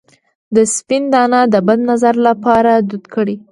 د سپند دانه د بد نظر لپاره دود کړئ